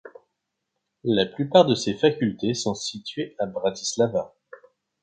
La plupart de ses facultés sont situées à Bratislava.